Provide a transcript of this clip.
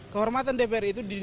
kehormatan dpr itu didilangkan